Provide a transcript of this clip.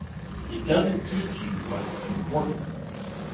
It doesn't teach you what's important.